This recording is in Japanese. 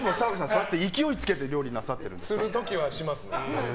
そうやって勢いつけてする時はしますね。